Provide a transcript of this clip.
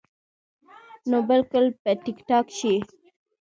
نو بالکل به ټيک ټاک شي -